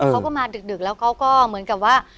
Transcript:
เขาก็มาดึกแล้วเขาก็เหมือนกับว่า